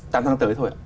tám tháng tới thôi